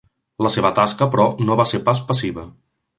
La seva tasca, però, no va ser pas passiva.